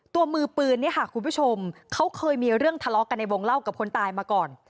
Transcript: มือปืนเนี่ยค่ะคุณผู้ชมเขาเคยมีเรื่องทะเลาะกันในวงเล่ากับคนตายมาก่อน